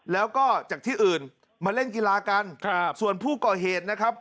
แล้วก็จากที่อื่นมาเล่นกีฬากันครับส่วนผู้ก่อเหตุนะครับ